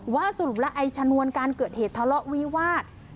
สรุปแล้วไอ้ชนวนการเกิดเหตุทะเลาะวิวาส